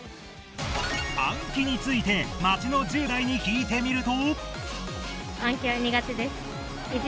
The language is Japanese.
暗記について街の１０代に聞いてみると？